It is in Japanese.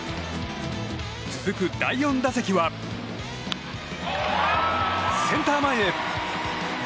続く第４打席はセンター前へ。